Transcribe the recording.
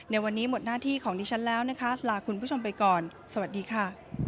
ในวันนี้หมดหน้าที่ของดิฉันแล้วนะคะลาคุณผู้ชมไปก่อนสวัสดีค่ะ